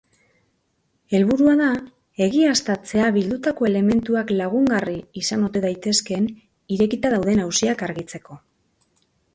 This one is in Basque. Helburua da egiaztatzea bildutako elementuak lagungarri izan ote daitezkeen irekita dauden auziak argitzeko.